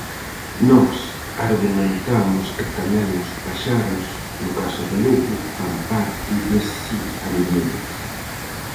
Nós argumentamos que tamén os paxaros, no caso de Lugo, fan parte dese ambiente.